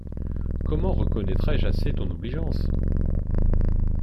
Comment reconnaitrai-je assez ton obligeance?